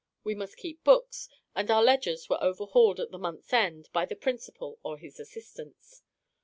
We must keep books, and our ledgers were overhauled at the month's end by the principal or his assistants.